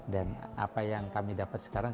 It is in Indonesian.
dan apa yang kami dapat sekarang